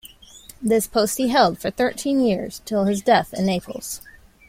This post he held for thirteen years, till his death in Naples.